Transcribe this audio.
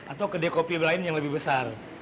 atau kedai kopi lain yang lebih besar